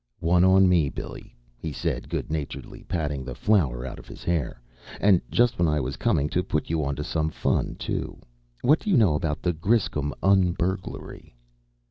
"One on me, Billy," he said, good naturedly, patting the flour out of his hair, "and just when I was coming to put you onto some fun, too. What do you know about the Griscom un burglary?"